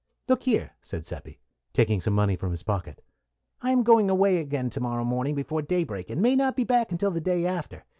"Look here," said Seppi, taking some money from his pocket. "I am going away again to morrow morning before daybreak, and may not be back until the day after.